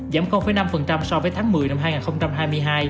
giảm năm so với tháng một mươi năm hai nghìn hai mươi hai